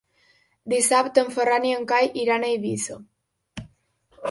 Dissabte en Ferran i en Cai iran a Eivissa.